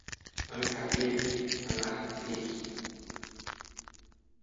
আমি থাকিলেই কী, আর না থাকিলেই কী।